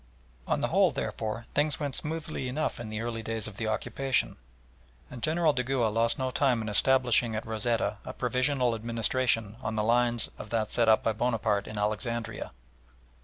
On the whole, therefore, things went smoothly enough in the early days of the occupation, and General Dugua lost no time in establishing at Rosetta a provisional administration on the lines of that set up by Bonaparte in Alexandria.